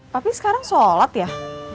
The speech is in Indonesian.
tapi sekarang sholat ya